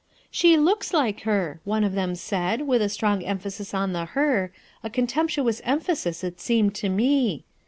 ""She looks like her,' one of them eaid, with a strong emphasis on the 'her/ a contemptuous emphasis it seemed to me.